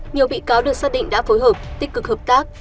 nhiều bị cáo được xác định đã phối hợp tích cực hợp tác